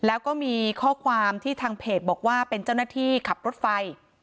แล้วก็มีข้อความที่ทางเพจบอกว่าเป็นเจ้าหน้าที่ขับรถไฟ